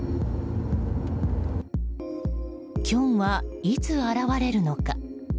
キョンはいつ現れるのか？